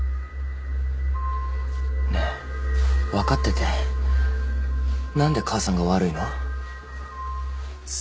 ねえ分かってて何で母さんが悪いの？